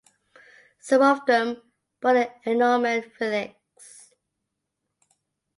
Some of them bore the agnomen "Felix".